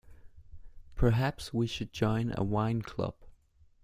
Perhaps we should join a wine club.